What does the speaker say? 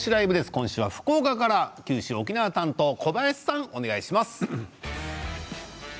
今週は福岡から九州沖縄担当の小林さんお願いします。